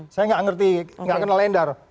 saya gak ngerti gak kenal ender